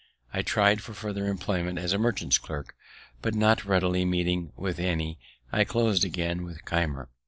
I tri'd for farther employment as a merchant's clerk; but, not readily meeting with any, I clos'd again with Keimer.